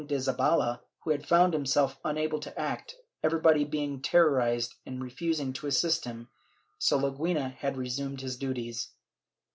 IV] VISITAS DE NAVIOS 517 de Zabala, who had found himself unable to act, everybody being terrorized and refusing to assist him, so Leguina had resumed his duties.